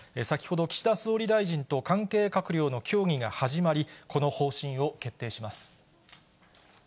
先ほど、岸田総理大臣と関係閣僚の協議が始まり、この方針を決定します。